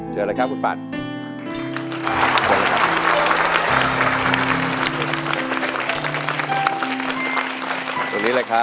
เจอแล้วครับคุณปัส